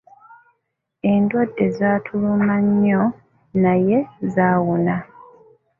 Endwadde zaatuluma nnyo naye zaawona.